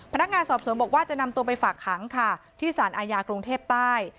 พนักงานสอบสวนบอกว่าจะนำตัวไปฝากขังค่ะที่สารอาญากรุงเทพใต้